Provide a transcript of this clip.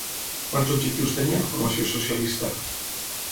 Quants objectius tenia la formació socialista?